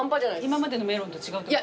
今までのメロンと違うってこと？